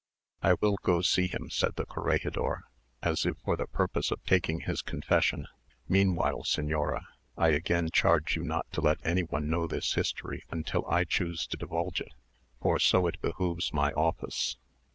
"I will go see him," said the corregidor, "as if for the purpose of taking his confession. Meanwhile, señora, I again charge you not to let any one know this history until I choose to divulge it, for so it behoves my office."